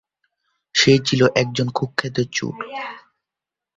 সে ছিল একজন কুখ্যাত চোর।